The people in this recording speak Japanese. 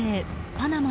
パナマ